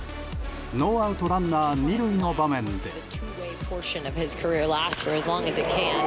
ノーアウトランナー２塁の場面で。